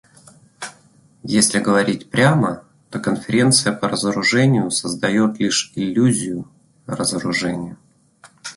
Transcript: Если говорить прямо, то Конференция по разоружению создает лишь иллюзию разоружения.